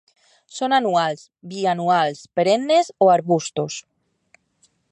Són anuals, bianuals, perennes, o arbustos.